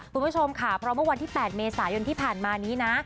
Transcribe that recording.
คุณผู้ชมค่ะเพราะเมื่อวันที่๘เมษายนที่ผ่านมานี้นะ